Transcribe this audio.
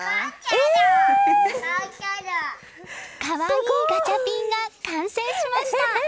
可愛いガチャピンが完成しました！